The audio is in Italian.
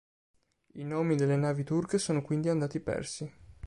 I nomi delle navi turche sono quindi andati persi.